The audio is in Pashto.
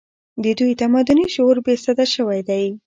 د دوی تمدني شعور بې سده شوی دی